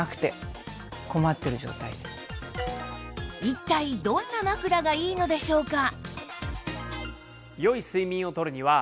一体どんな枕がいいのでしょうか？